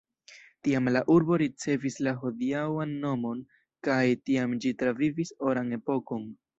Tiam la urbo ricevis la hodiaŭan nomon kaj tiam ĝi travivis oran epokon.